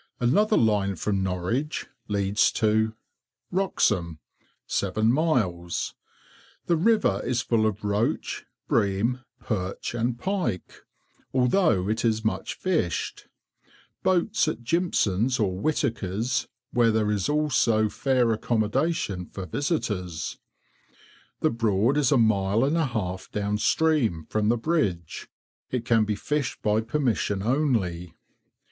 Another line from Norwich leads to— WROXHAM. 7 miles. The river is full of roach, bream, perch, and pike, although it is much fished. Boats at Jimpson's or Whittaker's, where there is also fair accommodation for visitors. The Broad is a mile and a half down stream, from the bridge. It can be fished by permission only.